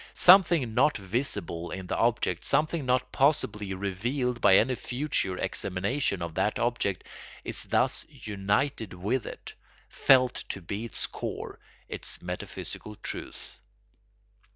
Something not visible in the object, something not possibly revealed by any future examination of that object, is thus united with it, felt to be its core, its metaphysical truth.